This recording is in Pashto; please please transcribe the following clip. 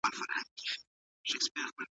که پلار زحمتکش وي نو کور نه وږی کیږي.